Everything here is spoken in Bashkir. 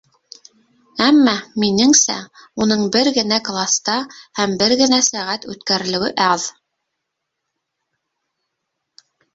Әммә, минеңсә, уның бер генә класта һәм бер генә сәғәт үткәрелеүе аҙ.